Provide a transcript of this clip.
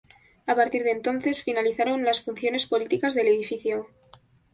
A partir de entonces finalizaron las funciones políticas del edificio.